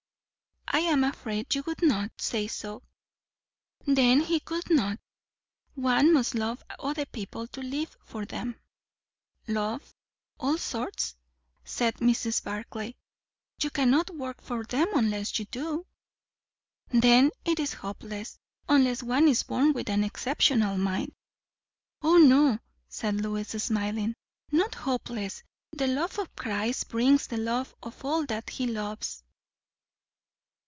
"I am afraid you would not say so." "Then he could not. One must love other people, to live for them." "Love all sorts?" said Mrs. Barclay. "You cannot work for them unless you do." "Then it is hopeless! unless one is born with an exceptional mind." "O no," said Lois, smiling, "not hopeless. The love of Christ brings the love of all that he loves."